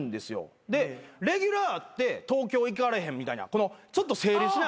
でレギュラーあって東京行かれへんみたいなちょっと整理しなあ